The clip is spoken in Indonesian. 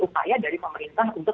upaya dari pemerintah untuk